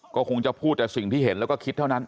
ก็คงจะพูดแต่สิ่งที่เห็นแล้วก็คิดเท่านั้น